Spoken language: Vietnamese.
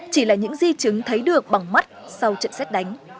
chỉ là những di chứng thấy được bằng mắt sau trận xét đánh